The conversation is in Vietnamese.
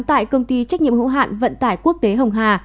tại công ty trách nhiệm hữu hạn vận tải quốc tế hồng hà